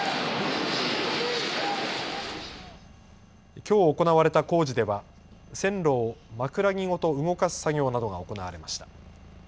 きょう行われた工事では線路を枕木ごと動かす作業などが行われました。